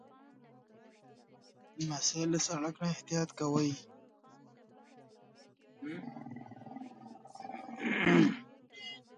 لمسی له سړک نه احتیاط کوي.